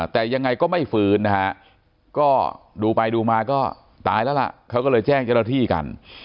แต่ยังไงก็ไม่ฟื้นนะฮะก็ดูไปดูมาก็ตายแล้วล่ะเขาก็เลยแจ้งเจ้าหน้าที่กัน